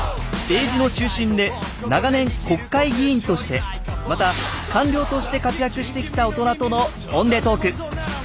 政治の中心で長年国会議員としてまた官僚として活躍してきた大人との本音トーク。